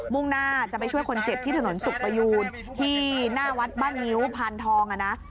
่งหน้าจะไปช่วยคนเจ็บที่ถนนสุขประยูนที่หน้าวัดบ้านงิ้วพานทองอ่ะนะ